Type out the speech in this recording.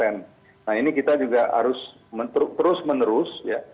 nah ini kita juga harus terus menerus